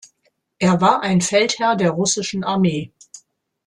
Er war ein Feldherr der russischen Armee.